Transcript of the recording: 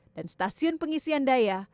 dan stasiun pengisian daya